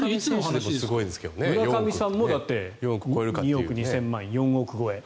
村上さんも２億２０００万４億超え。